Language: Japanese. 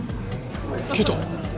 消えた。